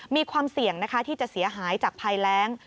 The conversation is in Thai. มีความเสี่ยงนะคะที่จะเสียหายจากภัยแรง